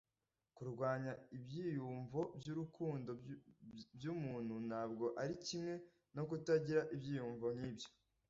Kurwanya ibyiyumvo byurukundo byumuntu ntabwo ari kimwe no kutagira ibyiyumvo nk'ibyo.